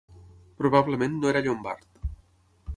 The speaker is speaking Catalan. Probablement no era llombard.